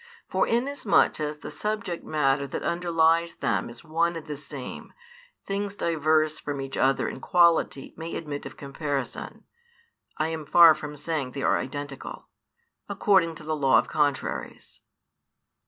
For inasmuch as the subject matter that underlies them is one and the same, things diverse from each other in quality may admit of comparison (I am far from saying they are identical) according to the law of contraries.